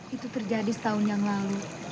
itu terjadi setahun yang lalu